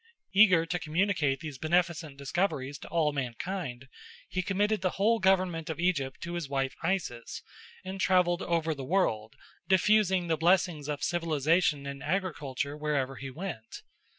Eager to communicate these beneficent discoveries to all mankind, he committed the whole government of Egypt to his wife Isis, and travelled over the world, diffusing the blessings of civilisation and agriculture wherever he went.